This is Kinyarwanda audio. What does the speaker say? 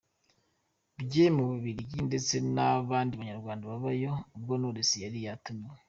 bye mu Bubiligi ndetse nabandi Banyarwanda babayo, ubwo Knowless yari yatumiwe.